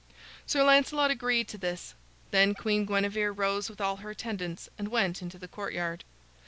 Sir Lancelot agreed to this. Then Queen Guinevere rose with all her attendants and went into the courtyard.